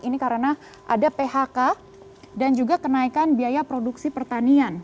ini karena ada phk dan juga kenaikan biaya produksi pertanian